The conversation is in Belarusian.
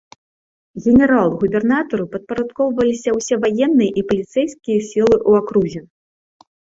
Генерал-губернатару падпарадкоўваліся ўсе ваенныя і паліцэйскія сілы ў акрузе.